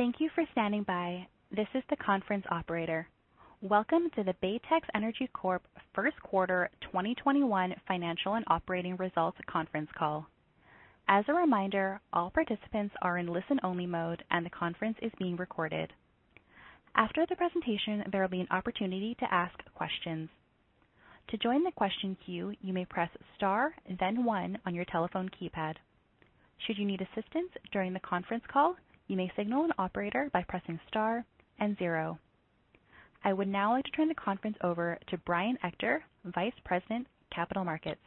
Thank you for standing by. This is the conference operator. Welcome to the Baytex Energy Corp first quarter 2021 financial and operating results conference call. As a reminder, all participants are in listen-only mode, and the conference is being recorded. After the presentation, there will be an opportunity to ask questions. To join the question queue, you may press star then one on your telephone keypad. Should you need assistance during the conference call, you may signal an operator by pressing star and zero. I would now like to turn the conference over to Brian Ector, Vice President, Capital Markets.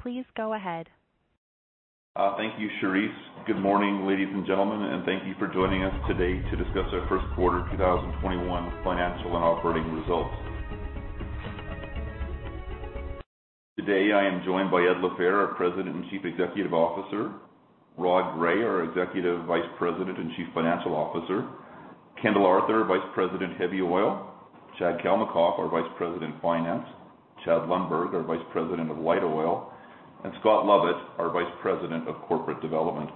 Please go ahead. Thank you, Cherise. Good morning, ladies and gentlemen, and thank you for joining us today to discuss our first quarter 2021 financial and operating results. Today, I am joined by Ed LaFehr, our President and Chief Executive Officer, Rod Gray, our Executive Vice President and Chief Financial Officer, Kendall Arthur, Vice President, Heavy Oil, Chad Kalmakoff, our Vice President, Finance, Chad Lundberg, our Vice President, Light Oil, and Scott Lovett, our Vice President, Corporate Development.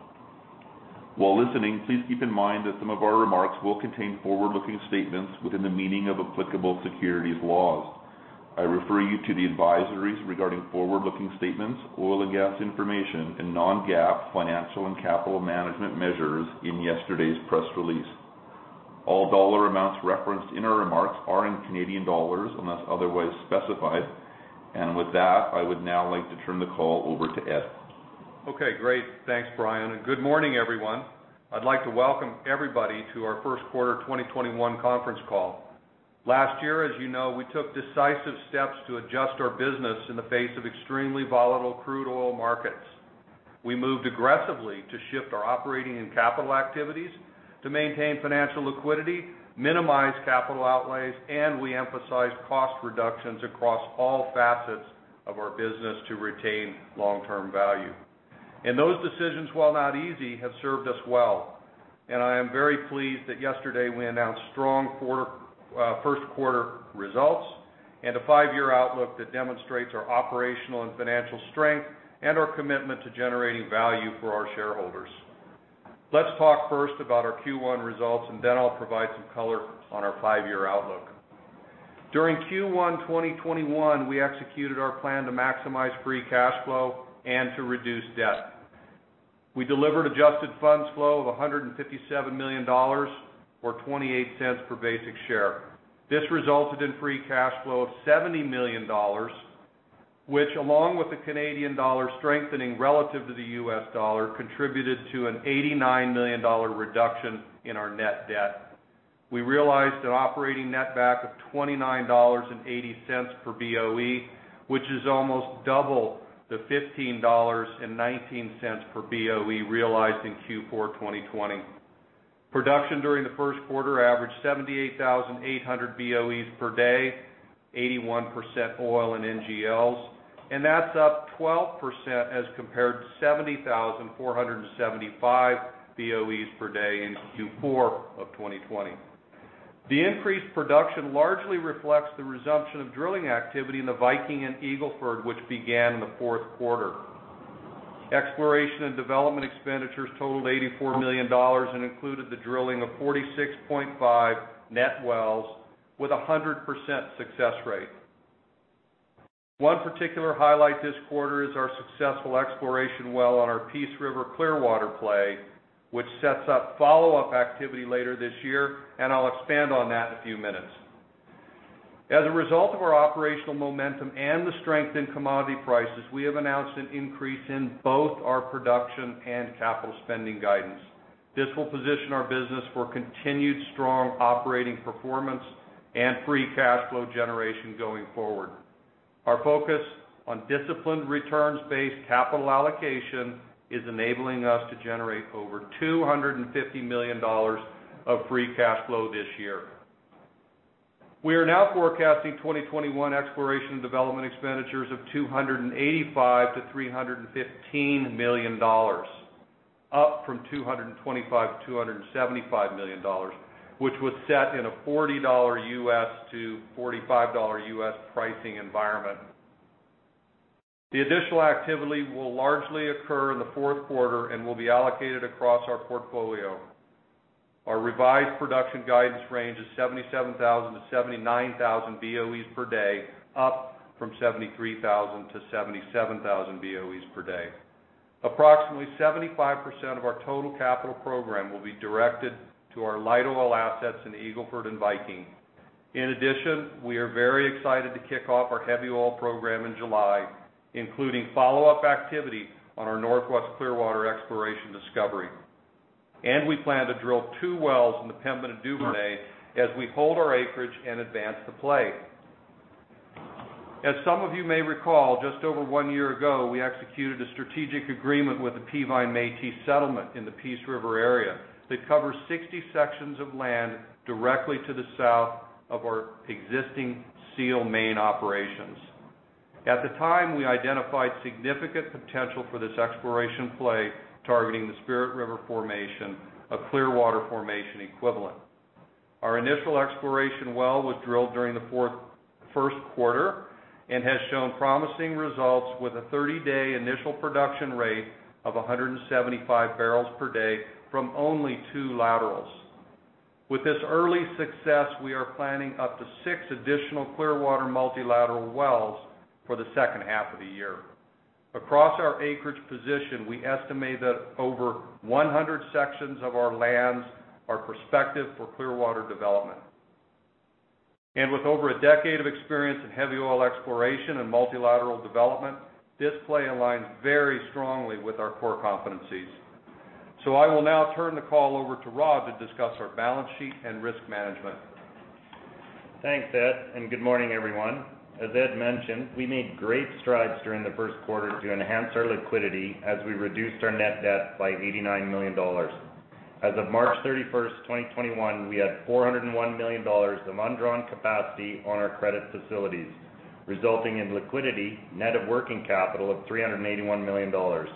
While listening, please keep in mind that some of our remarks will contain forward-looking statements within the meaning of applicable securities laws. I refer you to the advisories regarding forward-looking statements, oil and gas information, and non-GAAP financial and capital management measures in yesterday's press release. All dollar amounts referenced in our remarks are in Canadian dollars unless otherwise specified. With that, I would now like to turn the call over to Ed. Okay, great. Thanks, Brian. Good morning, everyone. I'd like to welcome everybody to our first quarter 2021 conference call. Last year, as you know, we took decisive steps to adjust our business in the face of extremely volatile crude oil markets. We moved aggressively to shift our operating and capital activities to maintain financial liquidity, minimize capital outlays, and we emphasized cost reductions across all facets of our business to retain long-term value, and those decisions, while not easy, have served us well, and I am very pleased that yesterday we announced strong first quarter results and a five-year outlook that demonstrates our operational and financial strength and our commitment to generating value for our shareholders. Let's talk first about our Q1 results, and then I'll provide some color on our five-year outlook. During Q1 2021, we executed our plan to maximize free cash flow and to reduce debt. We delivered adjusted funds flow of 157 million dollars, or 0.28 per basic share. This resulted in free cash flow of 70 million dollars, which, along with the Canadian dollar strengthening relative to the US dollar, contributed to an 89 million dollar reduction in our net debt. We realized an operating netback of 29.80 dollars per BOE, which is almost double the 15.19 dollars per BOE realized in Q4 2020. Production during the first quarter averaged 78,800 BOEs per day, 81% oil and NGLs, and that's up 12% as compared to 70,475 BOEs per day in Q4 of 2020. The increased production largely reflects the resumption of drilling activity in the Viking and Eagle Ford, which began in the fourth quarter. Exploration and development expenditures totaled 84 million dollars and included the drilling of 46.5 net wells with a 100% success rate. One particular highlight this quarter is our successful exploration well on our Peace River Clearwater play, which sets up follow-up activity later this year, and I'll expand on that in a few minutes. As a result of our operational momentum and the strength in commodity prices, we have announced an increase in both our production and capital spending guidance. This will position our business for continued strong operating performance and free cash flow generation going forward. Our focus on disciplined returns-based capital allocation is enabling us to generate over $250 million of free cash flow this year. We are now forecasting 2021 exploration and development expenditures of $285 million-$315 million, up from $225 million-$275 million, which was set in a $40-$45 pricing environment. The additional activity will largely occur in the fourth quarter and will be allocated across our portfolio. Our revised production guidance range is 77,000 BOEs-79,000 BOEs per day, up from 73,000 BOEs-77,000 BOEs per day. Approximately 75% of our total capital program will be directed to our light oil assets in Eagle Ford and Viking. In addition, we are very excited to kick off our heavy oil program in July, including follow-up activity on our Northwest Clearwater exploration discovery, and we plan to drill two wells in the Pembina Duvernay as we hold our acreage and advance the play. As some of you may recall, just over one year ago, we executed a strategic agreement with the Peavine Metis Settlement in the Peace River area that covers 60 sections of land directly to the south of our existing Seal main operations. At the time, we identified significant potential for this exploration play targeting the Spirit River Formation, a Clearwater Formation equivalent. Our initial exploration well was drilled during the first quarter and has shown promising results with a 30-day initial production rate of 175 bbls per day from only two laterals. With this early success, we are planning up to six additional Clearwater multilateral wells for the second half of the year. Across our acreage position, we estimate that over 100 sections of our lands are prospective for Clearwater development. And with over a decade of experience in heavy oil exploration and multilateral development, this play aligns very strongly with our core competencies, so I will now turn the call over to Rod to discuss our balance sheet and risk management. Thanks, Ed, and good morning, everyone. As Ed mentioned, we made great strides during the first quarter to enhance our liquidity as we reduced our net debt by 89 million dollars. As of March 31st, 2021, we had 401 million dollars of undrawn capacity on our credit facilities, resulting in liquidity, net of working capital of 381 million dollars.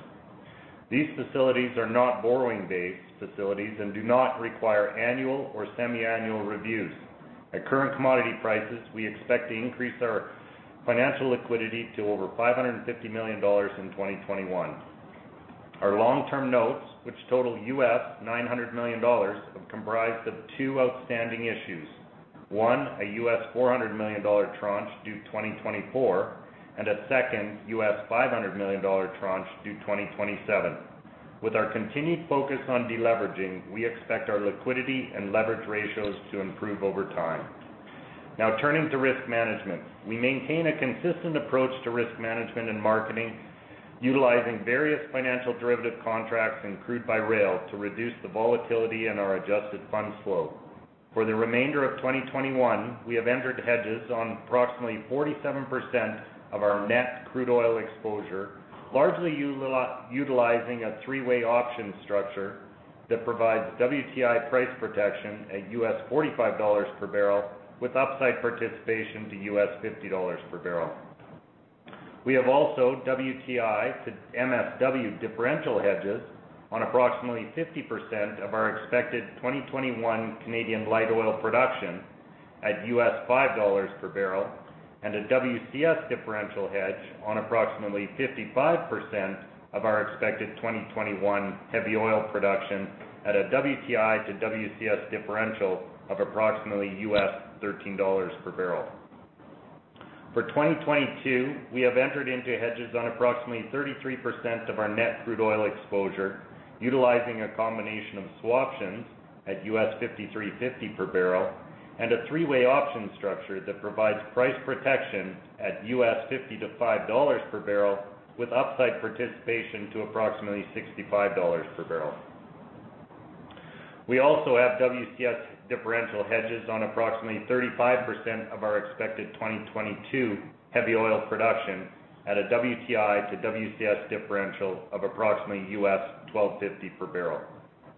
These facilities are not borrowing-based facilities and do not require annual or semiannual reviews. At current commodity prices, we expect to increase our financial liquidity to over 550 million dollars in 2021. Our long-term notes, which total $900 million, comprised of two outstanding issues: one, a $400 million tranche due 2024, and a second $500 million tranche due 2027. With our continued focus on deleveraging, we expect our liquidity and leverage ratios to improve over time. Now, turning to risk management, we maintain a consistent approach to risk management and marketing, utilizing various financial derivative contracts and crude by rail to reduce the volatility in our adjusted funds flow. For the remainder of 2021, we have entered hedges on approximately 47% of our net crude oil exposure, largely utilizing a three-way option structure that provides WTI price protection at $45 per barrel with upside participation to $50 per barrel. We have also WTI to MSW differential hedges on approximately 50% of our expected 2021 Canadian light oil production at $5 per barrel and a WCS differential hedge on approximately 55% of our expected 2021 heavy oil production at a WTI to WCS differential of approximately $13 per barrel. For 2022, we have entered into hedges on approximately 33% of our net crude oil exposure, utilizing a combination of swaptions at $53.50 per barrel and a three-way option structure that provides price protection at $50-$55 per barrel with upside participation to approximately $65 per barrel. We also have WCS differential hedges on approximately 35% of our expected 2022 heavy oil production at a WTI to WCS differential of approximately $12.50 per barrel.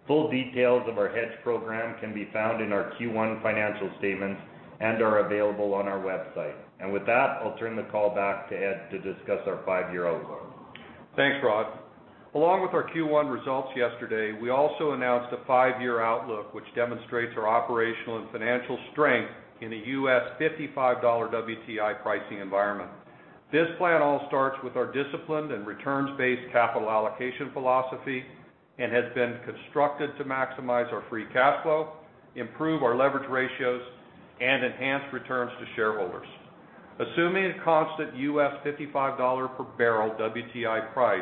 Full details of our hedge program can be found in our Q1 financial statements and are available on our website. With that, I'll turn the call back to Ed to discuss our five-year outlook. Thanks, Rod. Along with our Q1 results yesterday, we also announced a five-year outlook which demonstrates our operational and financial strength in a $55 WTI pricing environment. This plan all starts with our disciplined and returns-based capital allocation philosophy and has been constructed to maximize our free cash flow, improve our leverage ratios, and enhance returns to shareholders. Assuming a constant $55 per barrel WTI price,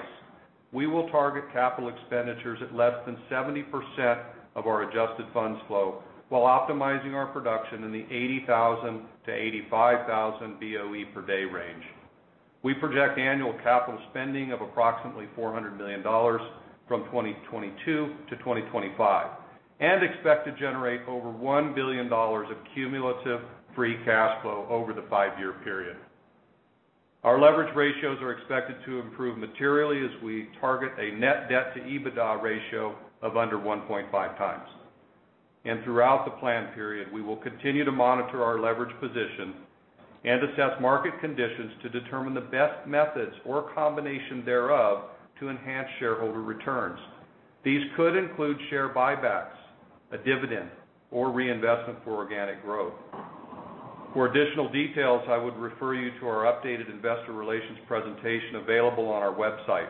we will target capital expenditures at less than 70% of our adjusted funds flow while optimizing our production in the 80,000 BOE-85,000 BOE per day range. We project annual capital spending of approximately $400 million from 2022-2025 and expect to generate over $1 billion of cumulative free cash flow over the five-year period. Our leverage ratios are expected to improve materially as we target a net debt to EBITDA ratio of under 1.5x. And throughout the planned period, we will continue to monitor our leverage position and assess market conditions to determine the best methods or combination thereof to enhance shareholder returns. These could include share buybacks, a dividend, or reinvestment for organic growth. For additional details, I would refer you to our updated investor relations presentation available on our website.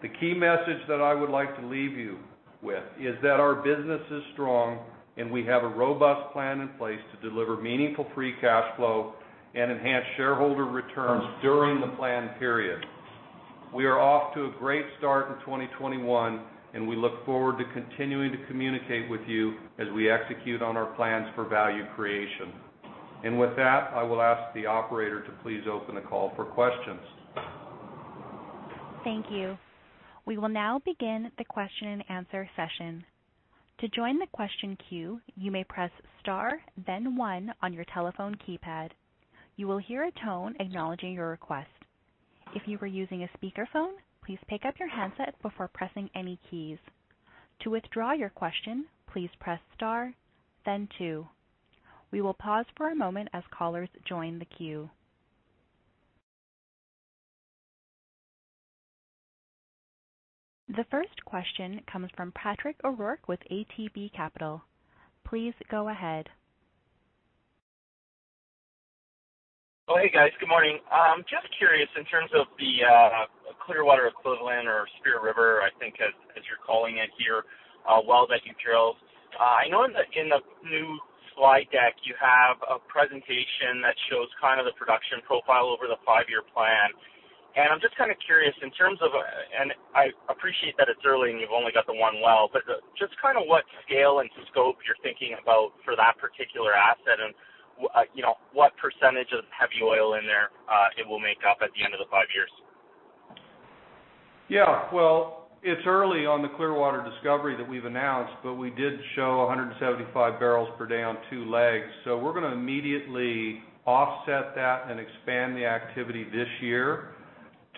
The key message that I would like to leave you with is that our business is strong and we have a robust plan in place to deliver meaningful free cash flow and enhance shareholder returns during the planned period. We are off to a great start in 2021, and we look forward to continuing to communicate with you as we execute on our plans for value creation. And with that, I will ask the operator to please open the call for questions. Thank you. We will now begin the question-and-answer session. To join the question queue, you may press star, then one on your telephone keypad. You will hear a tone acknowledging your request. If you are using a speakerphone, please pick up your handset before pressing any keys. To withdraw your question, please press star, then two. We will pause for a moment as callers join the queue. The first question comes from Patrick O'Rourke with ATB Capital. Please go ahead. Oh, hey, guys. Good morning. I'm just curious in terms of the Clearwater equivalent or Spirit River, I think, as you're calling it here, well that you drilled. I know in the new slide deck you have a presentation that shows kind of the production profile over the five-year plan. And I'm just kind of curious in terms of, and I appreciate that it's early and you've only got the one well, but just kind of what scale and scope you're thinking about for that particular asset and what percentage of heavy oil in there it will make up at the end of the five years. Yeah. Well, it's early on the Clearwater discovery that we've announced, but we did show 175 bbls per day on two legs. So we're going to immediately offset that and expand the activity this year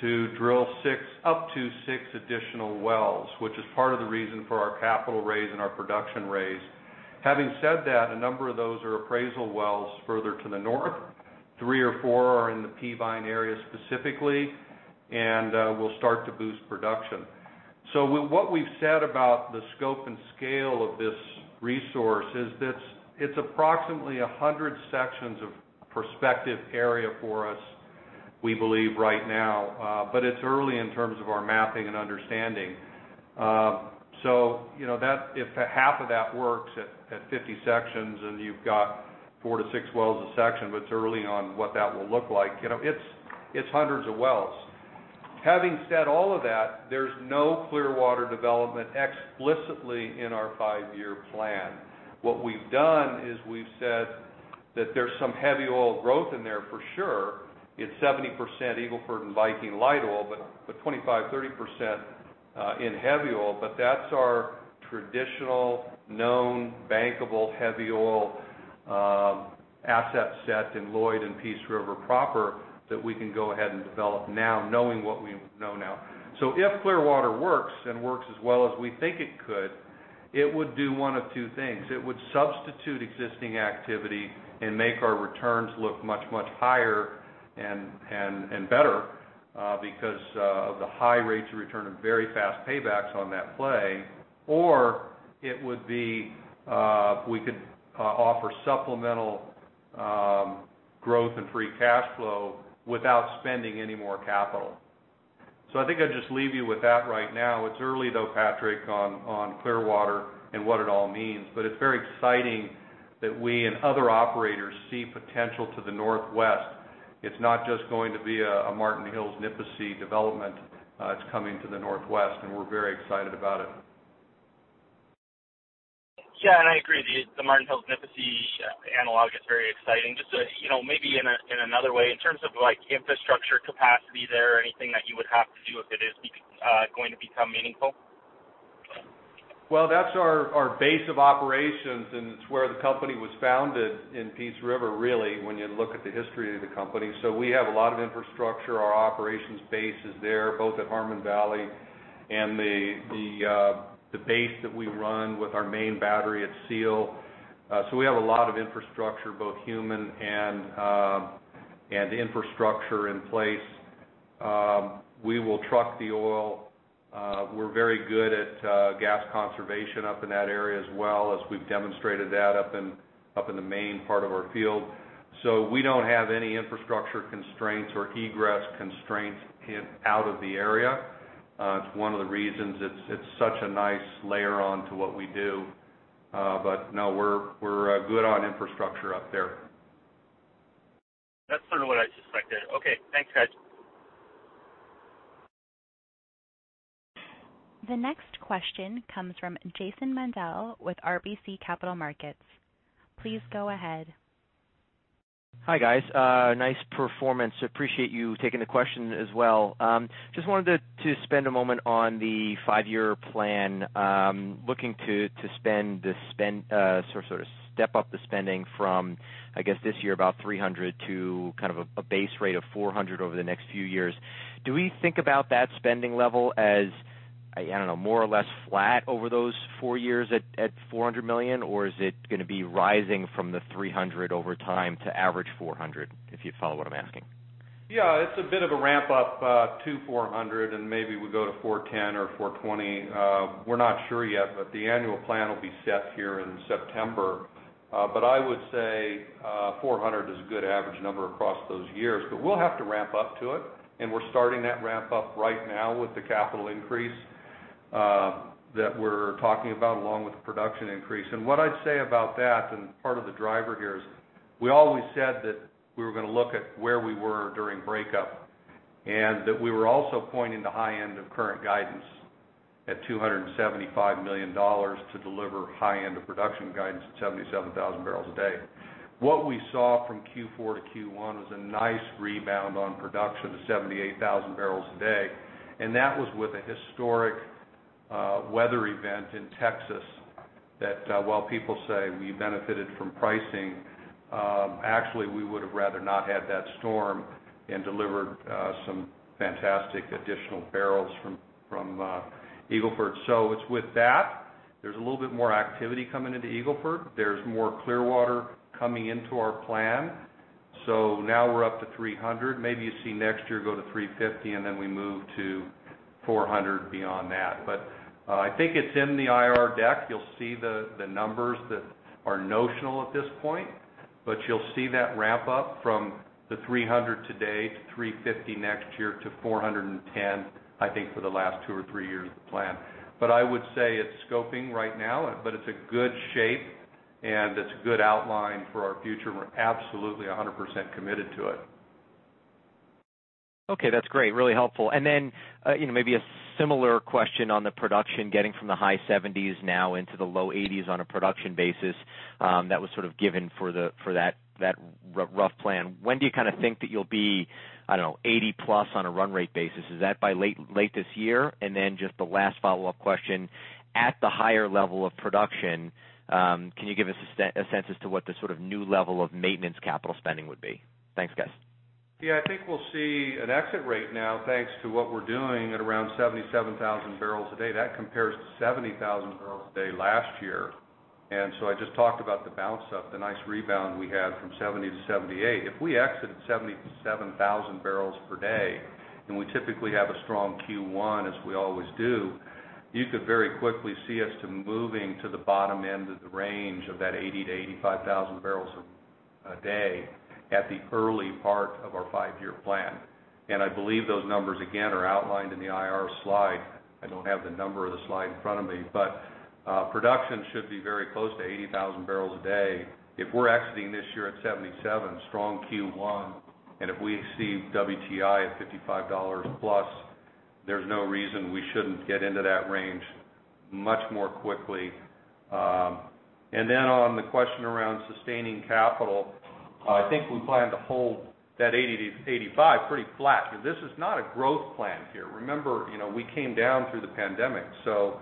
to drill up to six additional wells, which is part of the reason for our capital raise and our production raise. Having said that, a number of those are appraisal wells further to the north. Three or four are in the Peavine area specifically, and we'll start to boost production. So what we've said about the scope and scale of this resource is that it's approximately 100 sections of prospective area for us, we believe right now, but it's early in terms of our mapping and understanding. So if half of that works at 50 sections and you've got four to six wells a section, but it's early on what that will look like. It's hundreds of wells. Having said all of that, there's no Clearwater development explicitly in our five-year plan. What we've done is we've said that there's some heavy oil growth in there for sure. It's 70% Eagle Ford and Viking light oil, but 25%-30% in heavy oil. But that's our traditional known bankable heavy oil asset set in Lloyd and Peace River proper that we can go ahead and develop now, knowing what we know now. So if Clearwater works and works as well as we think it could, it would do one of two things. It would substitute existing activity and make our returns look much, much higher and better because of the high rates of return and very fast paybacks on that play. Or it would be we could offer supplemental growth and free cash flow without spending any more capital. So I think I'll just leave you with that right now. It's early, though, Patrick, on Clearwater and what it all means. But it's very exciting that we and other operators see potential to the northwest. It's not just going to be a Marten Hills-Nipisi development. It's coming to the northwest, and we're very excited about it. Yeah. And I agree. The Marten Hills-Nipisi analog is very exciting. Just maybe in another way, in terms of infrastructure capacity there, anything that you would have to do if it is going to become meaningful? That's our base of operations, and it's where the company was founded in Peace River, really, when you look at the history of the company. So we have a lot of infrastructure. Our operations base is there, both at Harmon Valley and the base that we run with our main battery at Seal. So we have a lot of infrastructure, both human and infrastructure in place. We will truck the oil. We're very good at gas conservation up in that area as well, as we've demonstrated that up in the main part of our field. So we don't have any infrastructure constraints or egress constraints out of the area. It's one of the reasons it's such a nice layer on to what we do. But no, we're good on infrastructure up there. That's sort of what I suspected. Okay. Thanks, guys. The next question comes from Jason Mandel with RBC Capital Markets. Please go ahead. Hi, guys. Nice performance. Appreciate you taking the question as well. Just wanted to spend a moment on the five-year plan, looking to spend the sort of step up the spending from, I guess, this year about 300 million to kind of a base rate of 400 million over the next few years. Do we think about that spending level as, I don't know, more or less flat over those four years at 400 million, or is it going to be rising from the 300 million over time to average 400 million if you follow what I'm asking? Yeah. It's a bit of a ramp up to 400 million, and maybe we go to 410 million or 420 million. We're not sure yet, but the annual plan will be set here in September. But I would say 400 millon is a good average number across those years. But we'll have to ramp up to it, and we're starting that ramp up right now with the capital increase that we're talking about along with the production increase. And what I'd say about that, and part of the driver here is we always said that we were going to look at where we were during breakup and that we were also pointing the high end of current guidance at 275 million dollars to deliver high end of production guidance at 77,000 bbls a day. What we saw from Q4 to Q1 was a nice rebound on production to 78,000 bbls a day. That was with a historic weather event in Texas that, while people say we benefited from pricing, actually we would have rather not had that storm and delivered some fantastic additional barrels from Eagle Ford. So it's with that. There's a little bit more activity coming into Eagle Ford. There's more Clearwater coming into our plan. So now we're up to 300 million. Maybe you see next year go to 350 million, and then we move to 400 million beyond that. But I think it's in the IR deck. You'll see the numbers that are notional at this point, but you'll see that ramp up from the 300 million today to 350 million next year to 410 million, I think, for the last two or three years of the plan. But I would say it's scoping right now, but it's a good shape, and it's a good outline for our future. We're absolutely 100% committed to it. Okay. That's great. Really helpful. And then maybe a similar question on the production getting from the high 70%s now into the low 80%s on a production basis that was sort of given for that rough plan. When do you kind of think that you'll be, I don't know, 80&+ on a run rate basis? Is that by late this year? And then just the last follow-up question, at the higher level of production, can you give us a sense as to what the sort of new level of maintenance capital spending would be? Thanks, guys. Yeah. I think we'll see an exit rate now thanks to what we're doing at around 77,000 bbls a day. That compares to 70,000 bbls a day last year. And so I just talked about the bounce up, the nice rebound we had from 70,000 bbls-78,000 bbls. If we exited 77,000 bbls per day, and we typically have a strong Q1, as we always do, you could very quickly see us moving to the bottom end of the range of that 80,000 bbls-85,000 bbls a day at the early part of our five-year plan. And I believe those numbers, again, are outlined in the IR slide. I don't have the number of the slide in front of me, but production should be very close to 80,000 bbls a day. If we're exiting this year at 77, 000 bbls strong Q1, and if we see WTI at $55+, there's no reason we shouldn't get into that range much more quickly. And then on the question around sustaining capital, I think we plan to hold that 80,000 bbls-85,000 bbls pretty flat. This is not a growth plan here. Remember, we came down through the pandemic. So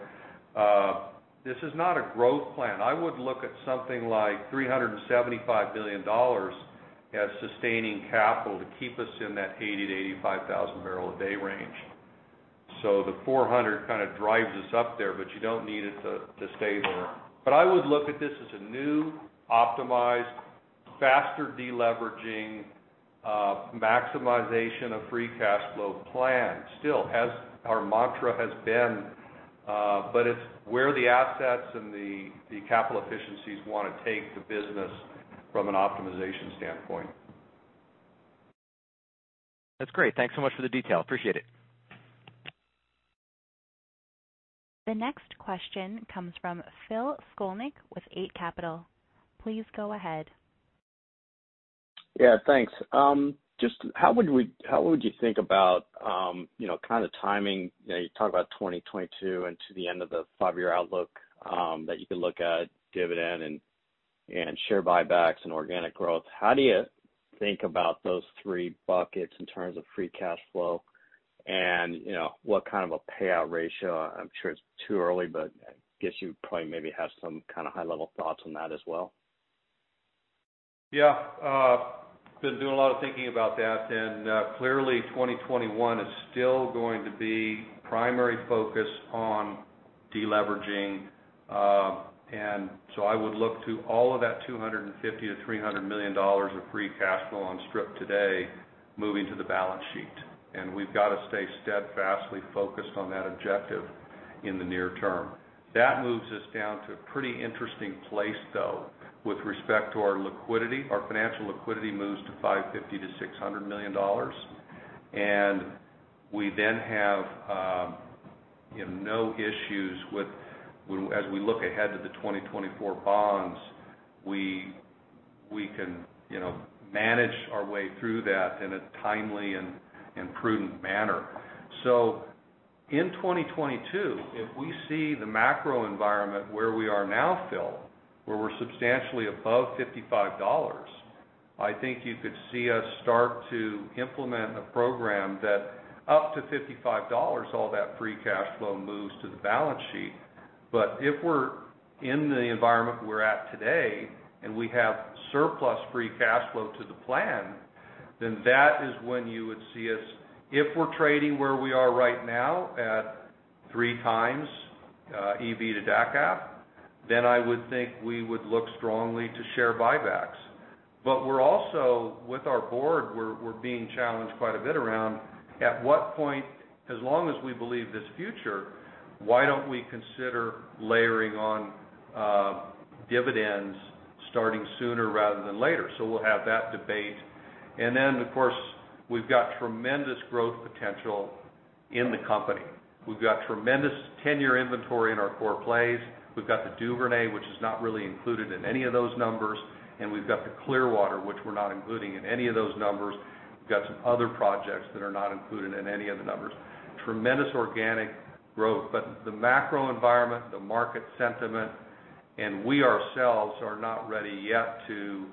this is not a growth plan. I would look at something like 375 million dollars as sustaining capital to keep us in that 80,000 bbls-85,000 bbls a day range. So the 400,000 bbls kind of drives us up there, but you don't need it to stay there. But I would look at this as a new, optimized, faster deleveraging, maximization of free cash flow plan, still, as our mantra has been, but it's where the assets and the capital efficiencies want to take the business from an optimization standpoint. That's great. Thanks so much for the detail. Appreciate it. The next question comes from Phil Skolnick with Eight Capital. Please go ahead. Yeah. Thanks. Just how would you think about kind of timing? You talk about 2022 and to the end of the five-year outlook that you could look at dividend and share buybacks and organic growth. How do you think about those three buckets in terms of free cash flow and what kind of a payout ratio? I'm sure it's too early, but I guess you probably maybe have some kind of high-level thoughts on that as well. Yeah. I've been doing a lot of thinking about that. And clearly, 2021 is still going to be primary focus on deleveraging. And so I would look to all of that 250 million-300 million dollars of free cash flow on strip today moving to the balance sheet. And we've got to stay steadfastly focused on that objective in the near term. That moves us down to a pretty interesting place, though, with respect to our liquidity. Our financial liquidity moves to 550 million-600 million dollars. And we then have no issues with, as we look ahead to the 2024 bonds, we can manage our way through that in a timely and prudent manner. So in 2022, if we see the macro environment where we are now, Phil, where we're substantially above $55, I think you could see us start to implement a program that up to $55, all that free cash flow moves to the balance sheet. But if we're in the environment we're at today and we have surplus free cash flow to the plan, then that is when you would see us, if we're trading where we are right now at 3x EV to DACF, then I would think we would look strongly to share buybacks. But we're also, with our board, we're being challenged quite a bit around at what point, as long as we believe this future, why don't we consider layering on dividends starting sooner rather than later? So we'll have that debate. And then, of course, we've got tremendous growth potential in the company. We've got tremendous 10-year inventory in our core plays. We've got the Duvernay, which is not really included in any of those numbers, and we've got the Clearwater, which we're not including in any of the numbers. We've got some other projects that are not included in any of the numbers. Tremendous organic growth, but the macro environment, the market sentiment, and we ourselves are not ready yet to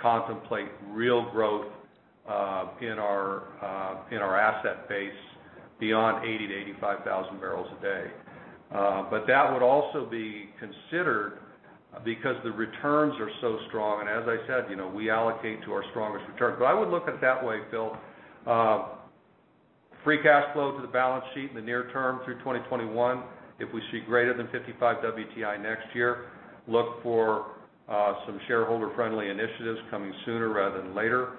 contemplate real growth in our asset base beyond 80,000 bbls-85,000 bbls a day. But that would also be considered because the returns are so strong, and as I said, we allocate to our strongest returns. But I would look at it that way, Phil. Free cash flow to the balance sheet in the near term through 2021, if we see greater than $55 WTI next year, look for some shareholder-friendly initiatives coming sooner rather than later.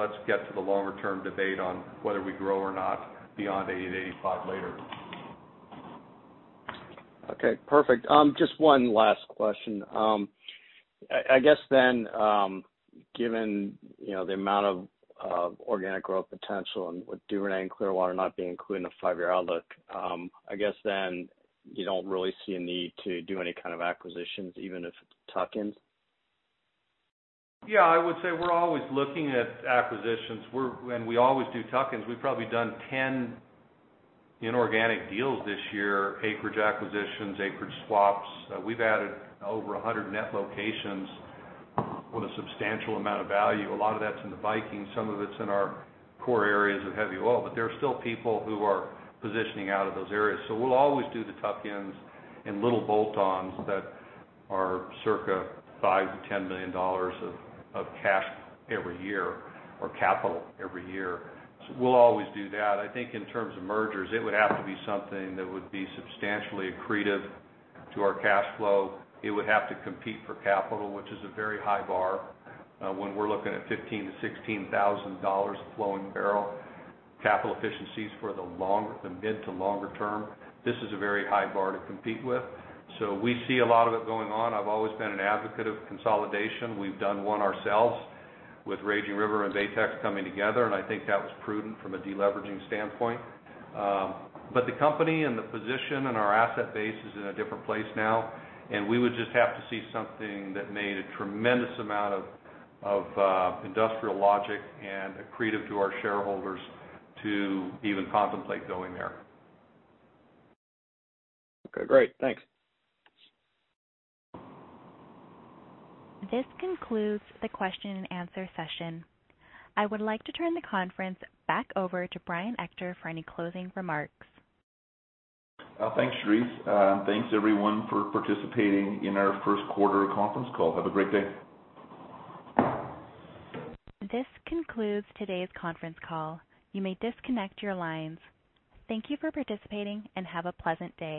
Let's get to the longer-term debate on whether we grow or not beyond 80,000 bbls-85,000 bbls later. Okay. Perfect. Just one last question. I guess then, given the amount of organic growth potential and with Duvernay and Clearwater not being included in the five-year outlook, I guess then you don't really see a need to do any kind of acquisitions, even if it's tuck-ins? Yeah. I would say we're always looking at acquisitions and we always do tuck-ins. We've probably done 10 inorganic deals this year, acreage acquisitions, acreage swaps. We've added over 100 net locations with a substantial amount of value. A lot of that's in the Viking. Some of it's in our core areas of heavy oil, but there are still people who are positioning out of those areas. So we'll always do the tuck-ins and little bolt-ons that are circa 5 million-10 million dollars of cash every year or capital every year. So we'll always do that. I think in terms of mergers, it would have to be something that would be substantially accretive to our cash flow. It would have to compete for capital, which is a very high bar when we're looking at 15,000-16,000 dollars of flowing barrel. Capital efficiencies for the mid to longer term, this is a very high bar to compete with. So we see a lot of it going on. I've always been an advocate of consolidation. We've done one ourselves with Raging River and Baytex coming together. And I think that was prudent from a deleveraging standpoint. But the company and the position and our asset base is in a different place now. And we would just have to see something that made a tremendous amount of industrial logic and accretive to our shareholders to even contemplate going there. Okay. Great. Thanks. This concludes the question and answer session. I would like to turn the conference back over to Brian Ector for any closing remarks. Thanks, Cherise. And thanks, everyone, for participating in our first quarter conference call. Have a great day. This concludes today's conference call. You may disconnect your lines. Thank you for participating and have a pleasant day.